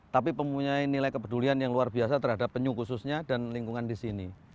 tapi mempunyai nilai kepedulian yang luar biasa terhadap penyu khususnya dan lingkungan di sini